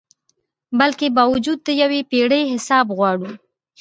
بلکي باوجود د یو پیړۍ حساب غواړو